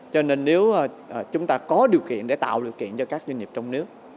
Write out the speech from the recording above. cho nên nếu chúng ta có điều kiện để tạo điều kiện cho các doanh nghiệp trong nước